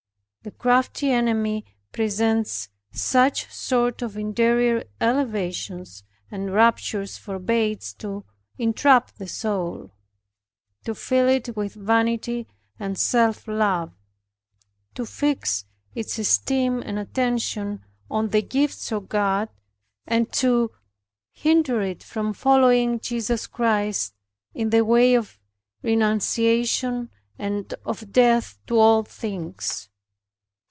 The crafty enemy presents such sort of interior elevations and raptures for baits to entrap the soul, to fill it with vanity and self love, to fix its esteem and attention on the gifts of God, and to hinder it from following Jesus Christ in the way of renunciation and of death to all things.